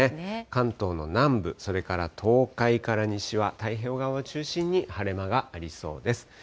関東の南部、それから東海から西は、太平洋側を中心に晴れ間がありそうです。